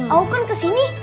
aw kan kesini